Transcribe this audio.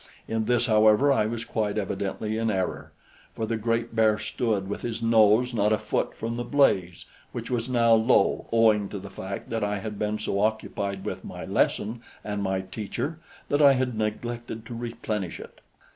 In this, however, I was quite evidently in error, for the great bear stood with his nose not a foot from the blaze, which was now low, owing to the fact that I had been so occupied with my lesson and my teacher that I had neglected to replenish it.